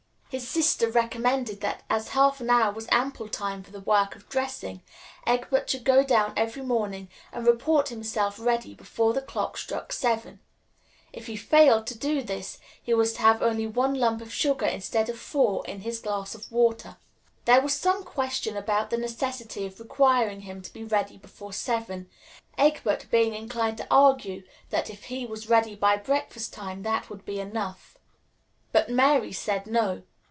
His sister recommended that, as half an hour was ample time for the work of dressing, Egbert should go down every morning and report himself ready before the clock struck seven. If he failed of this, he was to have only one lump of sugar, instead of four, in his glass of water. There was some question about the necessity of requiring him to be ready before seven; Egbert being inclined to argue that if he was ready by breakfast time, that would be enough. But Mary said no.